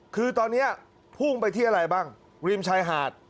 คือตอนนี้พุ่งไปที่อะไรบ้างริมชายหาด